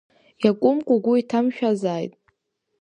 Иакәымк угәы иҭамшәазааит?